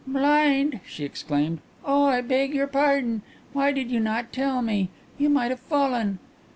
"Blind!" she exclaimed, "oh, I beg your pardon. Why did you not tell me? You might have fallen."